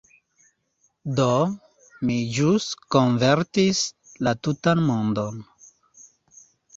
Do, mi ĵus konvertis la tutan mondon!